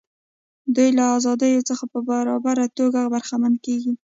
دوی له ازادیو څخه په برابره توګه برخمن کیږي.